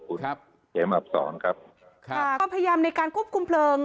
คุณครับเกมอับสองครับค่ะก็พยายามในการควบคุมเพลิง